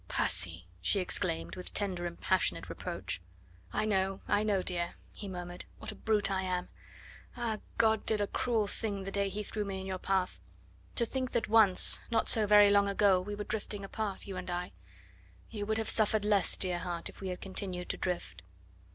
"Percy!" she exclaimed with tender and passionate reproach. "I know I know, dear," he murmured, "what a brute I am! Ah, God did a cruel thing the day that He threw me in your path. To think that once not so very long ago we were drifting apart, you and I. You would have suffered less, dear heart, if we had continued to drift."